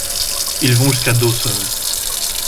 Ils vont jusqu'à Dawson.